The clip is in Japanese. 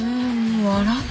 笑ってよ。